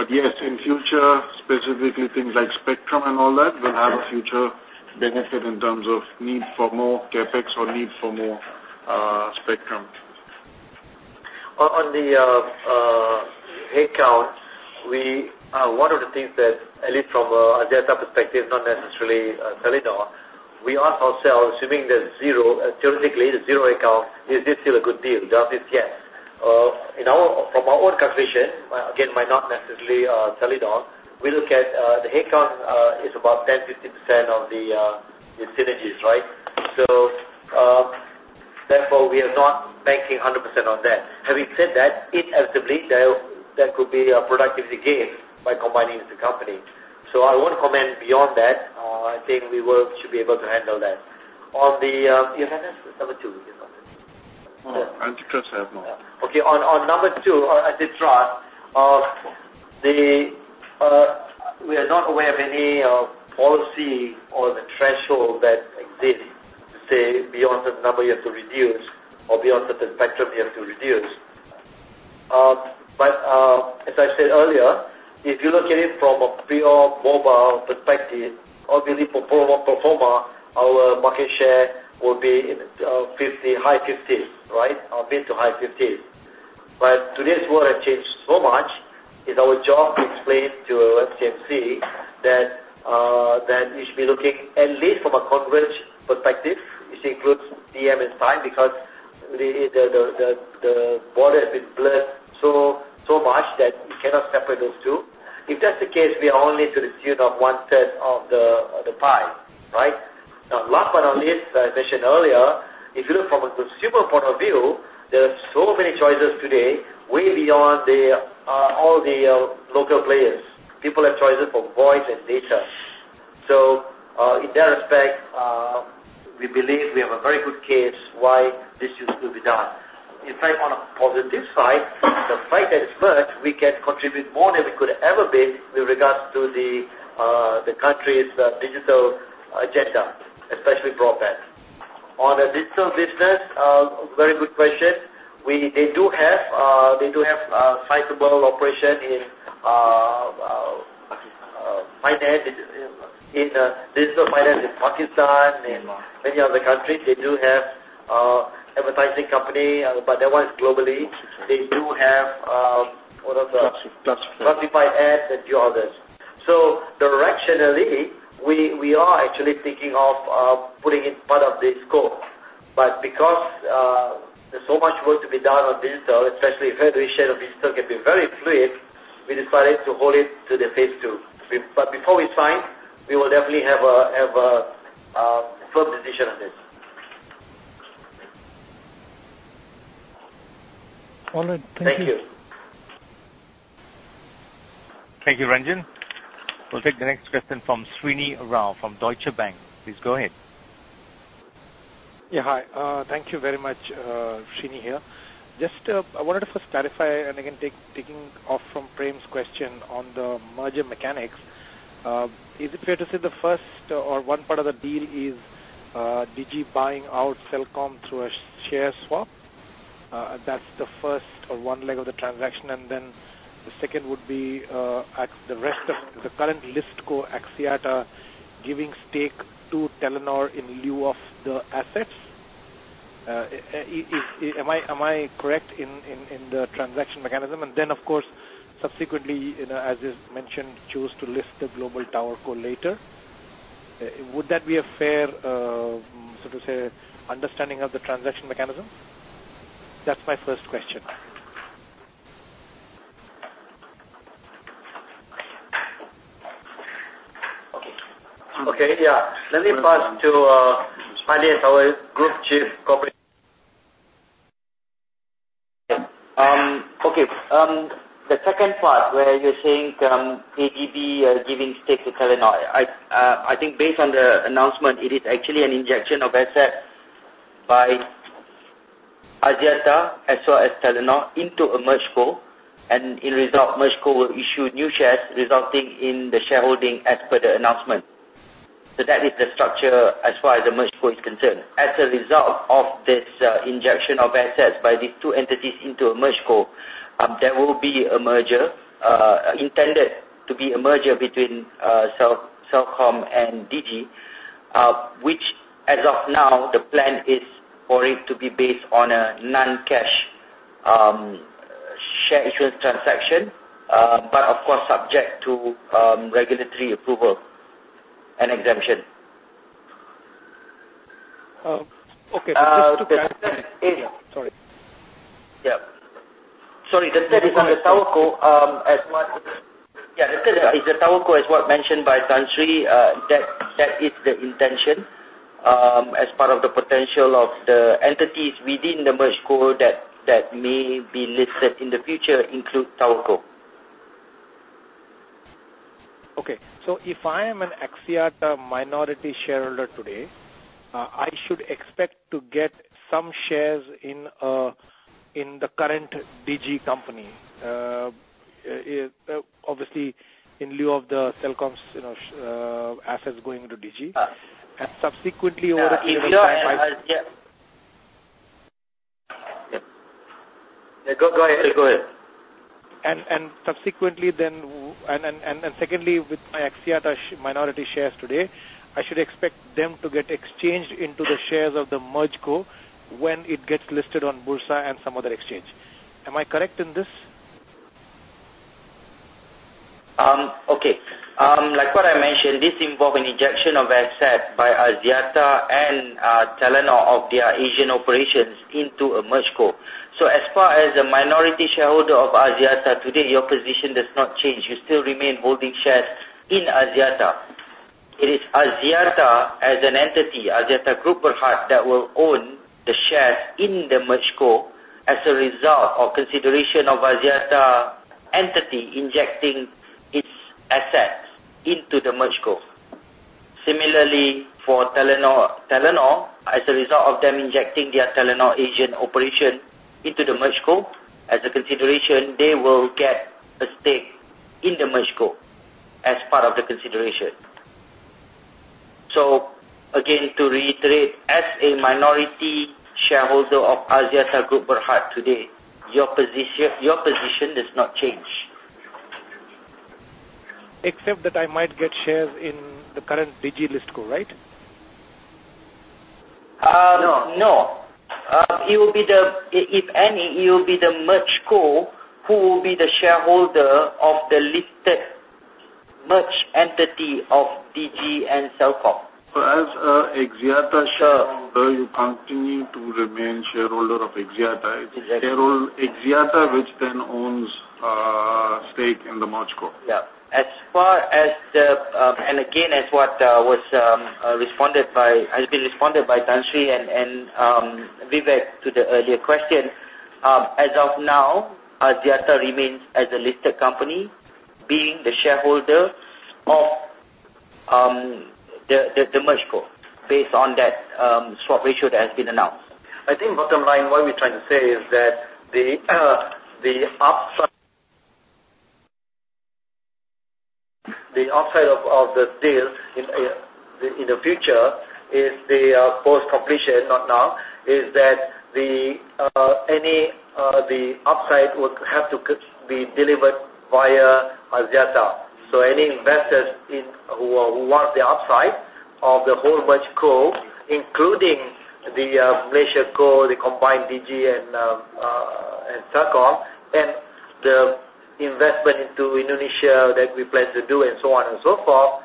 Yes, in future, specifically things like spectrum and all that, will have a future benefit in terms of need for more CapEx or need for more spectrum. On the headcount, one of the things that, at least from an Axiata perspective, not necessarily Telenor, we ask ourselves, assuming there's zero, theoretically, zero headcount, is this still a good deal? The answer is yes. From our own calculation, again, might not necessarily Telenor, we look at the headcount is about 10, 15% of the synergies. Therefore, we are not banking 100% on that. Having said that, inevitably, there could be a productivity gain by combining the company. I won't comment beyond that. I think we should be able to handle that. On the You have answered number two? You cannot remember. Antitrust, I have not. On number two, antitrust, we are not aware of any policy or the threshold that exists to say beyond a certain number, you have to reduce or beyond certain spectrum, you have to reduce. As I said earlier, if you look at it from a pure mobile perspective or really pro forma, our market share will be mid to high 50s. Today's world has changed so much, it's our job to explain to MCMC that you should be looking at least from a converge perspective, which includes TM and Time, because the border has been blurred so much that you cannot separate those two. If that's the case, we are only to receive one third of the pie. Last but not least, as I mentioned earlier, if you look from a consumer point of view, there are so many choices today way beyond all the local players. People have choices for voice and data. In that respect, we believe we have a very good case why this needs to be done. In fact, on a positive side, the fight that is merged, we can contribute more than we could ever be with regards to the country's digital agenda, especially broadband. On the digital business, very good question. They do have a sizable operation in digital finance in Pakistan and many other countries. They do have advertising company, but that one is globally. They do have Classified classified ads and a few others. Directionally, we are actually thinking of putting it part of the scope. Because there is so much work to be done on digital, especially federation of digital can be very fluid, we decided to hold it to the phase II. Before we sign, we will definitely have a firm decision on this. All right. Thank you. Thank you. Thank you, Ranjan. We'll take the next question from Srini Rao from Deutsche Bank. Please go ahead. Yeah. Hi. Thank you very much. Srini here. Just, I wanted to first clarify and again taking off from Prem's question on the merger mechanics. Is it fair to say the first or one part of the deal is Digi buying out Celcom through a share swap? That's the first or one leg of the transaction, then the second would be the rest of the current list co Axiata giving stake to Telenor in lieu of the assets. Am I correct in the transaction mechanism? Then, of course, subsequently, as is mentioned, choose to list the global TowerCo later. Would that be a fair, so to say, understanding of the transaction mechanism? That's my first question. Okay. Yeah. Let me pass to Asri as our Group Chief Corporate Okay. The second part where you're saying, Khazanah are giving stake to Telenor. I think based on the announcement, it is actually an injection of assets by Axiata as well as Telenor into a merge co, and in result, merge co will issue new shares resulting in the shareholding as per the announcement. That is the structure as far as the merge co is concerned. As a result of this injection of assets by these two entities into a merge co, there will be a merger, intended to be a merger between Celcom and Digi. Which as of now, the plan is for it to be based on a non-cash share issuance transaction but of course, subject to regulatory approval and exemption. Okay. That's two parts. The third is the TowerCo as what mentioned by Tan Sri that is the intention as part of the potential of the entities within the merge co that may be listed in the future include TowerCo. If I am an Axiata minority shareholder today, I should expect to get some shares in the current Digi company obviously in lieu of the Celcom's assets going into Digi. Yes. Subsequently over a period of time. If you are. Yeah. Go ahead. Subsequently then. Secondly, with my Axiata minority shares today, I should expect them to get exchanged into the shares of the merge co when it gets listed on Bursa and some other exchange. Am I correct in this? Okay. Like what I mentioned, this involve an injection of asset by Axiata and Telenor of their Asian operations into a merge co. As far as the minority shareholder of Axiata, today your position does not change. You still remain holding shares in Axiata. It is Axiata as an entity, Axiata Group Berhad, that will own the shares in the merge co as a result of consideration of Axiata entity injecting its assets into the merge co. Similarly, for Telenor, as a result of them injecting their Telenor Asian operation into the merge co, as a consideration, they will get a stake in the merge co as part of the consideration. Again, to reiterate, as a minority shareholder of Axiata Group Berhad today, your position does not change. Except that I might get shares in the current Digi list co, right? No. If any, it will be the merge co who will be the shareholder of the listed merge entity of Digi and Celcom. As a Axiata shareholder, you continue to remain shareholder of Axiata. Exactly. It's Axiata which then owns a stake in the merge co. Yeah. again, as what has been responded by Tan Sri and Vivek to the earlier question, as of now, Axiata remains as a listed company, being the shareholder of the merge co based on that swap ratio that has been announced. I think bottom line, what we're trying to say is that the upside of the deal in Asia. In the future, post-completion, not now, any upside would have to be delivered via Axiata. Any investors who want the upside of the whole merge co, including the Malaysia co, the combined Digi and Celcom, and the investment into Indonesia that we plan to do, and so on and so forth,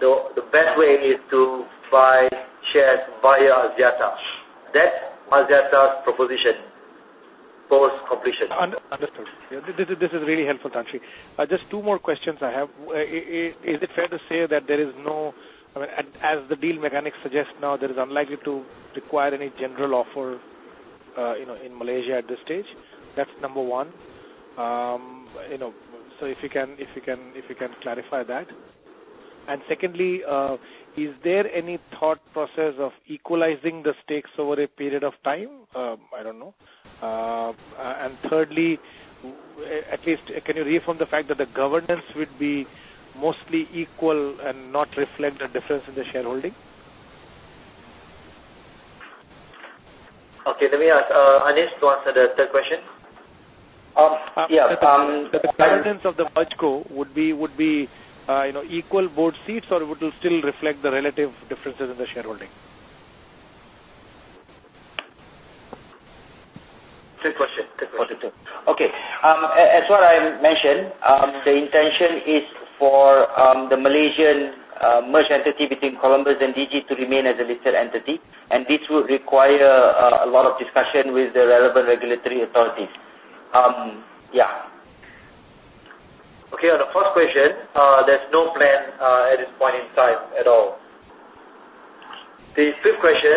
the best way is to buy shares via Axiata. That's Axiata's proposition post-completion. Understood. This is really helpful, Tan Sri. Just two more questions I have. Is it fair to say that as the deal mechanics suggest now, there is unlikely to require any general offer in Malaysia at this stage? That's number one. If you can clarify that. Secondly, is there any thought process of equalizing the stakes over a period of time? I don't know. Thirdly, at least can you reaffirm the fact that the governance would be mostly equal and not reflect a difference in the shareholding? Okay. Let me ask Asri to answer the third question. The governance of the merge co would be equal board seats, or would you still reflect the relative differences in the shareholding? Good question. Okay. As what I mentioned, the intention is for the Malaysian merged entity between Celcom and Digi to remain as a listed entity, this would require a lot of discussion with the relevant regulatory authorities. Okay. On the first question, there's no plan at this point in time at all. The fifth question,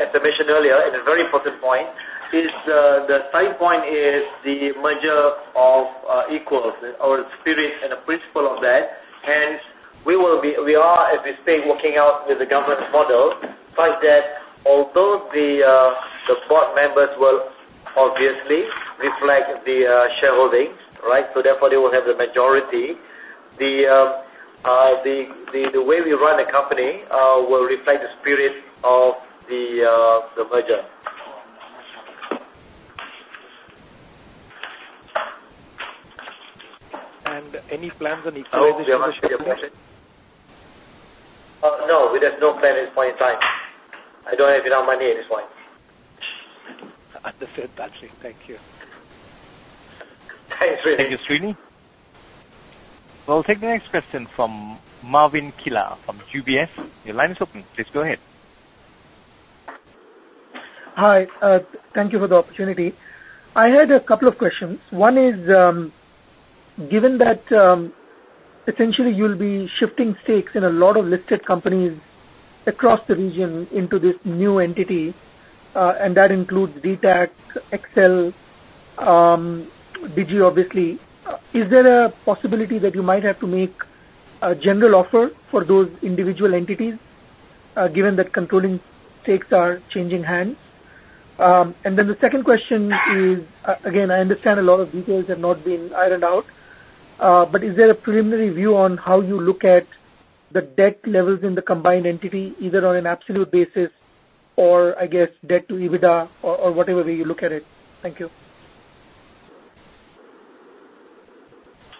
as I mentioned earlier, a very important point, the time point is the merger of equals, or the spirit and principle of that. Hence, we are, as we speak, working out with the governance model such that although the board members will obviously reflect the shareholdings. Therefore, they will have the majority. The way we run the company will reflect the spirit of the merger. Any plans on equalizing the shareholding? No, there's no plan at this point in time. I don't have enough money at this point. Understood, Tan Sri. Thank you. Thank you, Srini. We'll take the next question from Navin Killa from UBS. Your line is open. Please go ahead. Hi. Thank you for the opportunity. I had a couple of questions. One is, given that essentially you'll be shifting stakes in a lot of listed companies across the region into this new entity, that includes dtac, XL, Digi, obviously. Is there a possibility that you might have to make a general offer for those individual entities, given that controlling stakes are changing hands? Then the second question is, again, I understand a lot of details have not been ironed out, but is there a preliminary view on how you look at the debt levels in the combined entity, either on an absolute basis or, I guess, debt to EBITDA or whatever way you look at it? Thank you.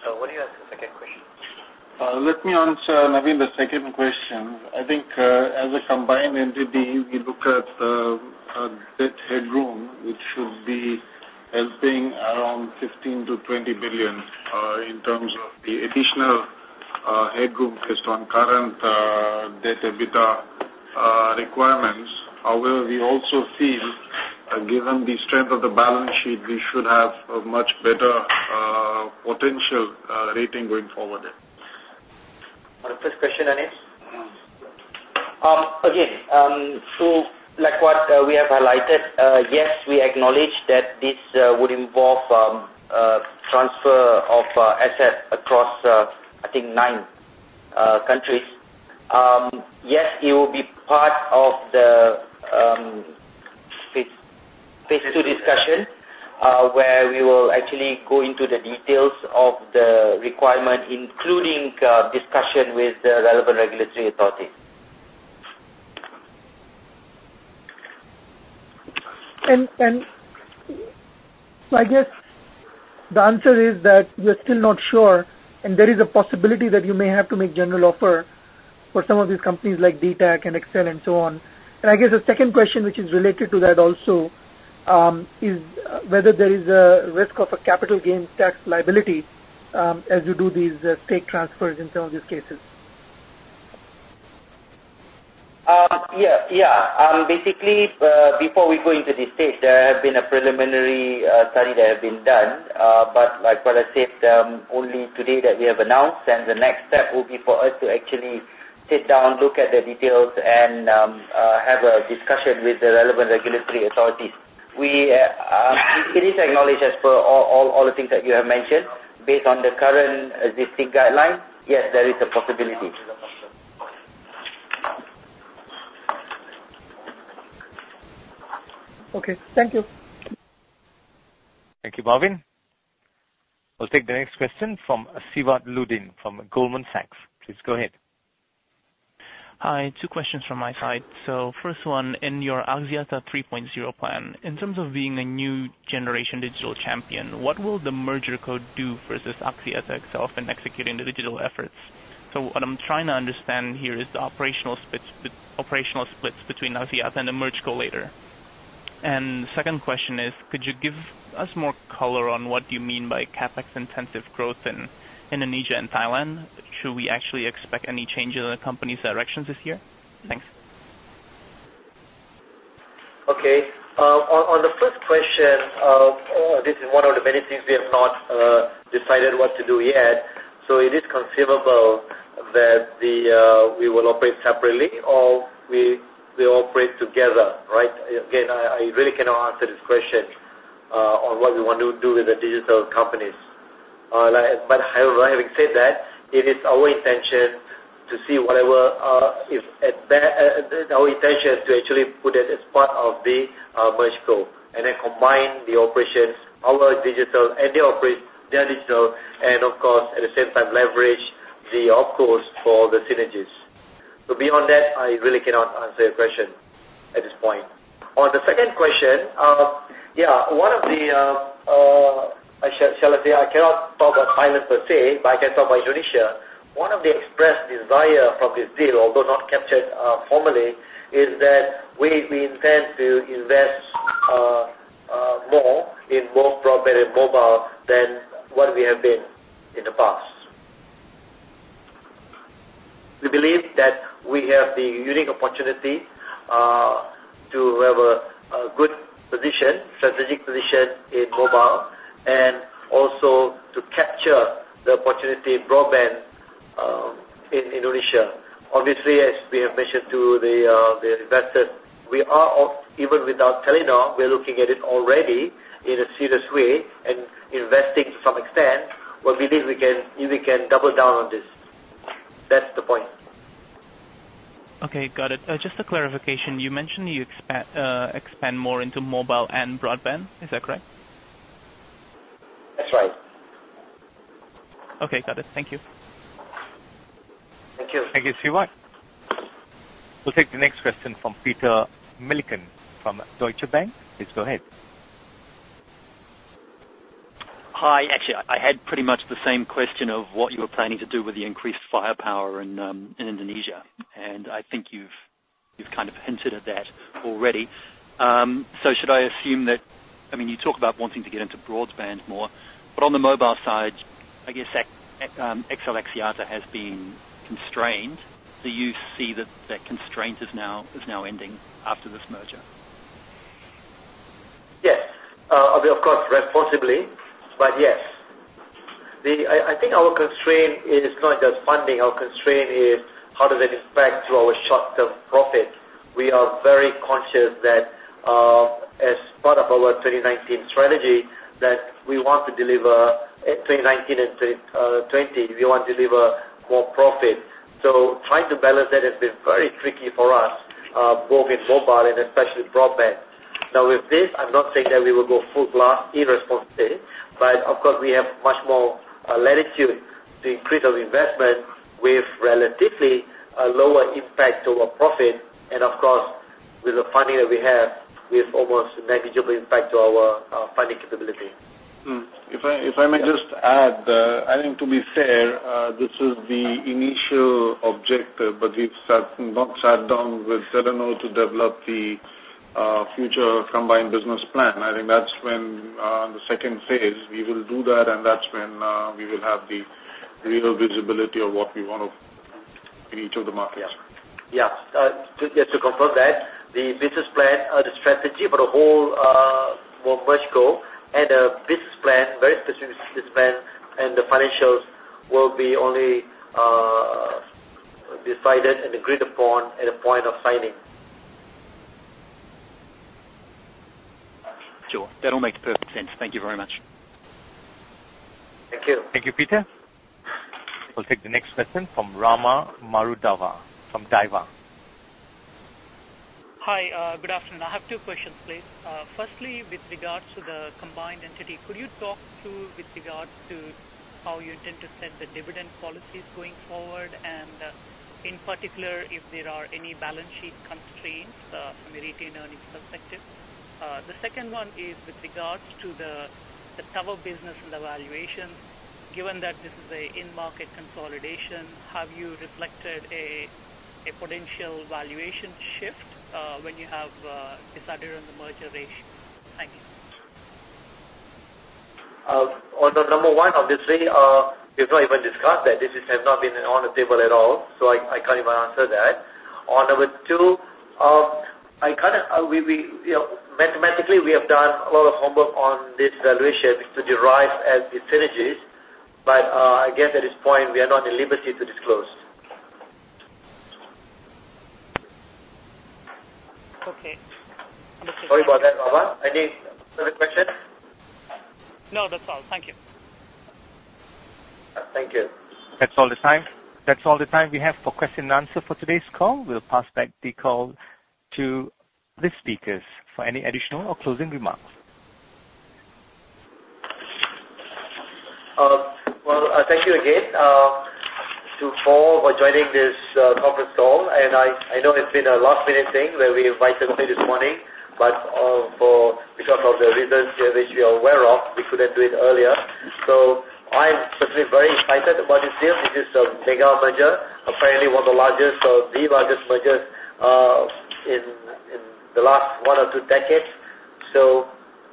What do you ask the second question? Let me answer, Navin, the second question. I think as a combined entity, we look at debt headroom, which should be anything around 15 billion-20 billion in terms of the additional headroom based on current debt to EBITDA requirements. However, we also feel, given the strength of the balance sheet, we should have a much better potential rating going forward. The first question, Asri. Like what we have highlighted, yes, we acknowledge that this would involve transfer of assets across, I think, nine countries. Yes, it will be part of the phase 2 discussion, where we will actually go into the details of the requirement, including discussion with the relevant regulatory authorities. I guess the answer is that you're still not sure, and there is a possibility that you may have to make general offer for some of these companies like dtac and XL and so on. I guess a second question which is related to that also is whether there is a risk of a capital gains tax liability as you do these stake transfers in some of these cases. Yeah. Basically, before we go into this stage, there have been a preliminary study that have been done. Like what I said, only today that we have announced, and the next step will be for us to actually sit down, look at the details, and have a discussion with the relevant regulatory authorities. It is acknowledged as per all the things that you have mentioned. Based on the current existing guidelines, yes, there is a possibility. Okay. Thank you. Thank you, Navin. We'll take the next question from Siwat Luddin from Goldman Sachs. Please go ahead. Hi. Two questions from my side. First one, in your Axiata 3.0 plan, in terms of being a new generation digital champion, what will the merge co do versus Axiata itself in executing the digital efforts? What I'm trying to understand here is the operational splits between Axiata and the merge co later. The second question is, could you give us more color on what you mean by CapEx intensive growth in Indonesia and Thailand? Should we actually expect any changes in the company's directions this year? Thanks. Okay. On the first question, this is one of the many things we have not decided what to do yet. It is conceivable that we will operate separately or we operate together, right? Again, I really cannot answer this question on what we want to do with the digital companies. Having said that, it is our intention to actually put it as part of the merge co and then combine the operations, our digital and their digital, and of course, at the same time leverage the opcos for the synergies. Beyond that, I really cannot answer your question at this point. On the second question, shall I say I cannot talk about Thailand per se, but I can talk about Indonesia. One of the expressed desire from this deal, although not captured formally, is that we intend to invest more in both broadband and mobile than what we have been in the past. We believe that we have the unique opportunity to have a good position, strategic position in mobile, and also to capture the opportunity in broadband in Indonesia. Obviously, as we have mentioned to the investors, even without Telenor, we are looking at it already in a serious way and investing to some extent, but believe we can double down on this. That's the point. Okay, got it. Just a clarification. You mentioned you expand more into mobile and broadband, is that correct? That's right. Okay, got it. Thank you. Thank you. Thank you, Siwat. We'll take the next question from Peter Milliken from Deutsche Bank. Please go ahead. Hi. Actually, I had pretty much the same question of what you were planning to do with the increased firepower in Indonesia, and I think you've kind of hinted at that already. Should I assume that you talk about wanting to get into broadband more, but on the mobile side, I guess XL Axiata has been constrained. Do you see that that constraint is now ending after this merger? Yes. Of course, responsibly, but yes. I think our constraint is not just funding, our constraint is how does it impact to our short-term profit. We are very conscious that as part of our 2019 strategy, that we want to deliver, 2019 and 2020, we want to deliver more profit. Trying to balance that has been very tricky for us, both in mobile and especially broadband. Now with this, I'm not saying that we will go full blast irresponsibly, but of course we have much more latitude to increase our investment with relatively a lower impact to our profit, and of course, with the funding that we have, with almost negligible impact to our funding capability. If I may just add, I think to be fair, this is the initial objective, but we've not sat down with Telenor to develop the future combined business plan. I think that's when, the second phase, we will do that, and that's when we will have the real visibility of what we want in each of the markets. Yes. To confirm that, the business plan, the strategy for the whole mergerco and a business plan, very specific business plan, and the financials will be only decided and agreed upon at the point of signing. Sure. That all makes perfect sense. Thank you very much. Thank you. Thank you, Peter. We'll take the next question from Ranjan Sharma from Daiwa. Hi. Good afternoon. I have two questions, please. Firstly, with regards to the combined entity, could you talk through with regards to how you intend to set the dividend policies going forward and in particular, if there are any balance sheet constraints from a retained earnings perspective? The second one is with regards to the tower business and the valuations. Given that this is an in-market consolidation, have you reflected a potential valuation shift when you have decided on the merger ratio? Thank you. On number 1, obviously, we've not even discussed that. This has not been on the table at all, so I can't even answer that. On number 2, mathematically, we have done a lot of homework on these valuations to derive at the synergies, but again, at this point, we are not at liberty to disclose. Okay. Sorry about that, Ranjan. Any further questions? No, that's all. Thank you. Thank you. That is all the time we have for question and answer for today's call. We will pass back the call to the speakers for any additional or closing remarks. Well, thank you again to all for joining this conference call. I know it has been a last-minute thing where we invited you this morning, because of the reasons which we are aware of, we could not do it earlier. I am certainly very excited about this deal. This is a mega merger, apparently one of the largest or the largest mergers in the last one or two decades.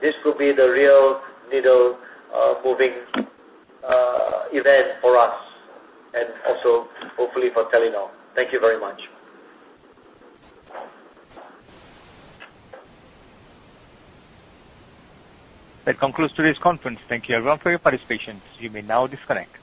This will be the real needle moving event for us, and also hopefully for Telenor. Thank you very much. That concludes today's conference. Thank you, everyone, for your participation. You may now disconnect.